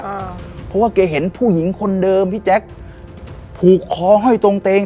อ่าเพราะว่าแกเห็นผู้หญิงคนเดิมพี่แจ๊คผูกคอห้อยตรงเตง